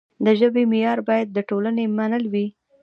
د ژبې معیار باید د ټولنې منل وي.